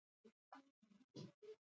او فکر یې را بدل کړ